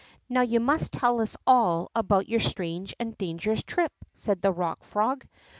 Yow you must tell us all about your strange and dangerous trip," said the Rock Frog.